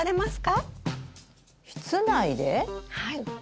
はい。